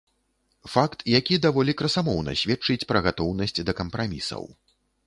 Факт, які даволі красамоўна сведчыць пра гатоўнасць да кампрамісаў.